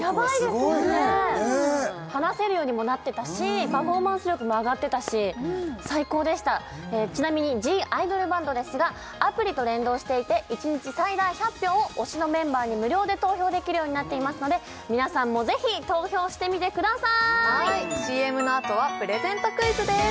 話せるようにもなってたしパフォーマンス力も上がってたし最高でしたちなみに「ＴＨＥＩＤＯＬＢＡＮＤ」ですがアプリと連動していて１日最大１００票を推しのメンバーに無料で投票できるようになっていますので皆さんも是非投票してみてください！